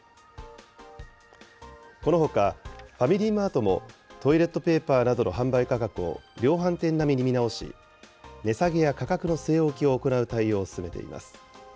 このほかファミリーマートも、トイレットペーパーなどの販売価格を量販店並みに見直し、値下げや価格の据え置きを行う対応を進めています。